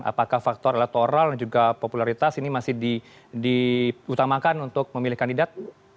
apakah faktor elektoral dan juga popularitas ini masih diutamakan untuk memilih kandidat